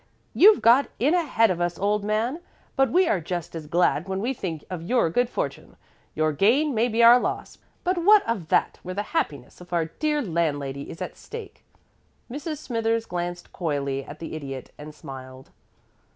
You've got in ahead of us, old man, but we are just as glad when we think of your good fortune. Your gain may be our loss but what of that where the happiness of our dear landlady is at stake?" Mrs. Smithers glanced coyly at the Idiot and smiled.